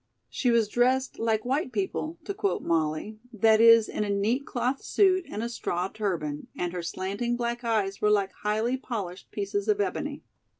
She was dressed "like white people," to quote Molly, that is, in a neat cloth suit and a straw turban, and her slanting black eyes were like highly polished pieces of ebony.